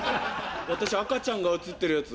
私赤ちゃんが写ってるやつ。